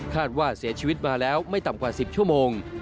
ว่าเสียชีวิตมาแล้วไม่ต่ำกว่า๑๐ชั่วโมง